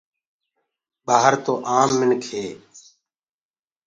ٻآهر تو آم منک هي